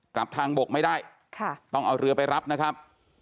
กลับทางบกไม่ได้ต้องเอาเรือไปรับนะครับ